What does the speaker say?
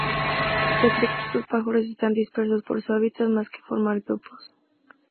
Se cree que estos pájaros están dispersos por su hábitat más que formar grupos.